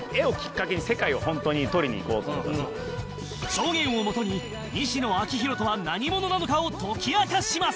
証言をもとに西野亮廣とは何者なのかを解き明かします